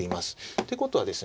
ってことはですね